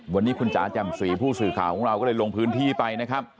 วันนี้คุณจ๋าแจ่มสีผู้สื่อข่าวของเราก็เลยลงพื้นที่ไปนะครับ